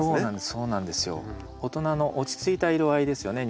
大人の落ち着いた色合いですよね。